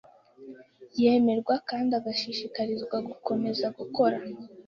yemerwa kandi agashishikarizwa gukomeza gukora